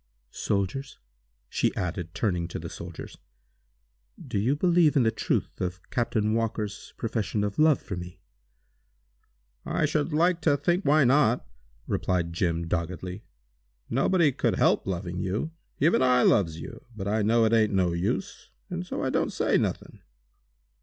"Soldiers," she added, turning to the soldiers, "do you believe in the truth of Captain Walker's profession of love for me?" "I should like to know why not!" replied Jim, doggedly. "Nobody could help loving you; even I loves you, but I know it ain't no use, and so I don't say nothing!"